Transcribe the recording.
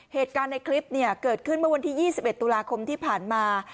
เหตุการณ์ในคลิปเกิดขึ้นเมื่อวันที่๒๑ตุลาคมที่ผ่านมา